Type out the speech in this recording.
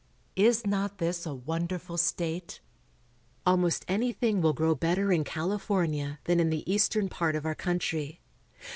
Is not this a wonderful stat«" ^ Almost anything will grow better in California than m the eastern part of our THE BIG TREES. 271 country.